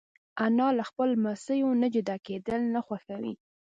انا له خپلو لمسیو نه جدا کېدل نه خوښوي